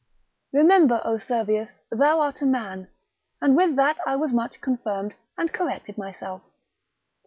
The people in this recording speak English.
Remember, O Servius, thou art a man; and with that I was much confirmed, and corrected myself.